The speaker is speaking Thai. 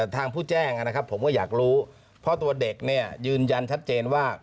ทางผู้แจ้งนะครับผมก็อยากรู้เพราะตัวเด็กเนี่ยยืนยันชัดเจนว่า